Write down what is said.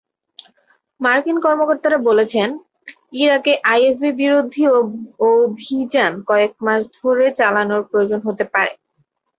মার্কিন কর্মকর্তারা বলছেন, ইরাকে আইএসবিরোধী অভিযান কয়েক মাস ধরে চালানোর প্রয়োজন হতে পারে।